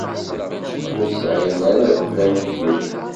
Ur sɛin ara iɣeblan di ddunit.